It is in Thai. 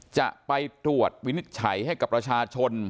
จะไปตรวจวินิจฉัยให้กับประชาชน